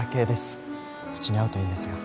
お口に合うといいんですが。